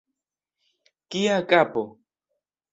Kia kapo!